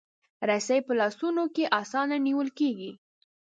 رسۍ په لاسو کې اسانه نیول کېږي.